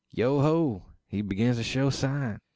Yo ho! he begins to show sign!